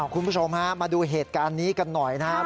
คุณผู้ชมฮะมาดูเหตุการณ์นี้กันหน่อยนะครับ